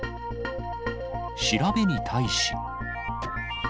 調べに対し。